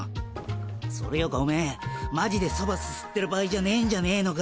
それよかオメエマジでそばすすってる場合じゃねえんじゃねえのか？